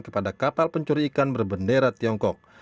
kepada kapal pencuri ikan berbendera tiongkok